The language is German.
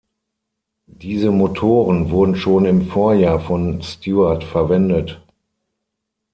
Diese Motoren wurden schon im Vorjahr von Stewart verwendet.